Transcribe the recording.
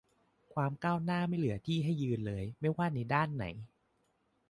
ความก้าวหน้าไม่เหลือที่ให้ยืนเลย ไม่ว่าในด้านไหน